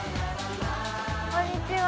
こんにちは。